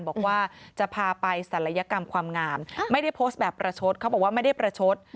บอกว่าจะพาไปศัลยกรรมความงามไม่ได้โพสต์แบบประชดเขาบอกว่าไม่ได้ประชด